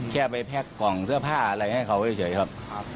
แค่ไปแพ็กกล่องเสื้อผ้าอะไรให้เขาเฉยครับ